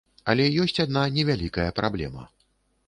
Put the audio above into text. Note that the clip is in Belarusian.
Але ёсць адна невялікая праблема.